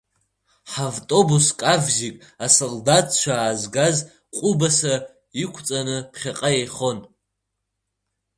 Ҳавтобус Кавзик асолдаҭцәа аазгаз ҟәыбаса иқәҵаны ԥхьаҟа еихон.